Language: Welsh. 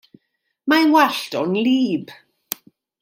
Mae 'i wallt o'n 'lyb.